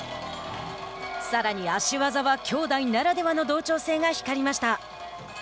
さらに足技はきょうだいならではの同調性が光りました。